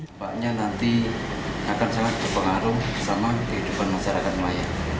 tampaknya nanti akan sangat berpengaruh sama kehidupan masyarakat nelayan